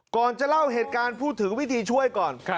ก่อนจะเล่าเหตุการณ์พูดถึงวิธีช่วยก่อน